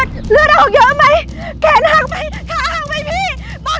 จนถึงวันนี้มาม้ามีเงิน๔ปี